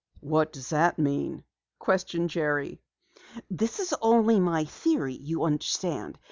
'" "What does it mean?" questioned Jerry. "This is only my theory, you understand.